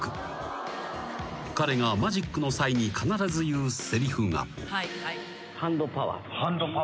［彼がマジックの際に必ず言うせりふが］